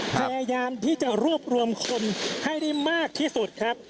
พยายามที่จะรวบรวมคนให้ได้มากที่สุดครับ